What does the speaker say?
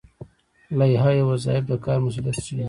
لایحه وظایف د کار مسوولیت ښيي